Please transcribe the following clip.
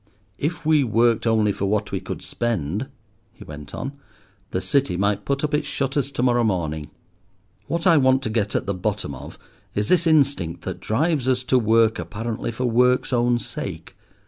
"If we worked only for what we could spend," he went on, "the City might put up its shutters to morrow morning. What I want to get at the bottom of is this instinct that drives us to work apparently for work's own sake.